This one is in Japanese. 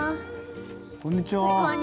こんにちは。